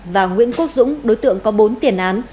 và nguyễn quốc dũng đối tượng có bốn tiền án